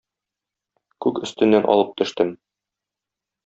Күк өстеннән алып төштем.